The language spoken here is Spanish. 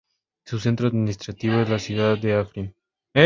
Su centro administrativo es la ciudad de Afrin.